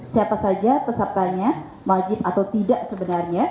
siapa saja pesertanya wajib atau tidak sebenarnya